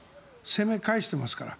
攻め返してますから。